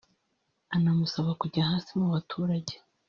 Anamusaba kujya hasi mu baturage